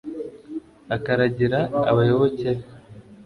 akaragira abayoboke be